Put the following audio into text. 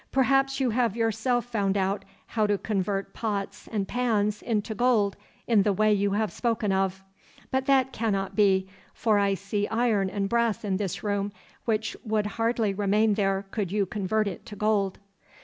'Perhaps you have yourself found out how to convert pots and pans into gold in the way you have spoken of. But that cannot be, for I see iron and brass in this room which would hardly remain there could you convert it to gold.